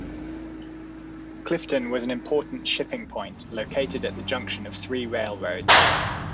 Clifton was an important shipping point located at the junction of three railroads.